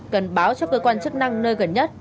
cần báo cho cơ quan chức năng nơi gần nhất